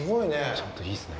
ちゃんと、いいですね。